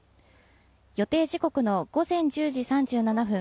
予定時刻の午前１０時３７分